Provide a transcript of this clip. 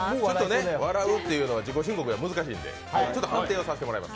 笑うというのは自己申告では難しいので判定させていただきます。